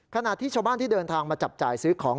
ขณะที่ชาวบ้านที่เดินทางมาจับจ่ายซื้อของ